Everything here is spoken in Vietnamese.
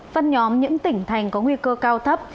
phân nhóm những tỉnh thành có nguy cơ cao thấp